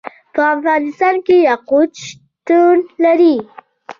په افغانستان کې یاقوت شتون لري.